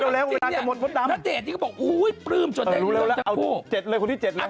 ลูกลับจริงนาทีก็บอกฟรึ้มจนดาลอยุ่งเท่าผู้นาทีเลยครับ